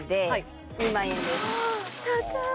高い！